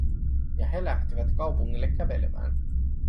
Ja he lähtivät kaupungille kävelemään.